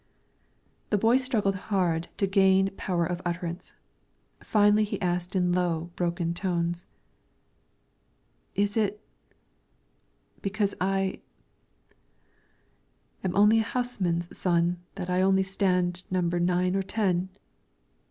The boy struggled hard to gain power of utterance, finally he asked in low, broken tones, "Is it because I am a houseman's son that I only stand number nine or ten?"